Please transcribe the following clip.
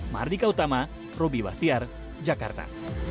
mardika utama robby bahtiar jakarta